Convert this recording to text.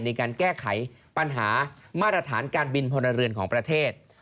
ในการแก้ไขปัญหามาตรฐานการบินพลเรือนของประเทศ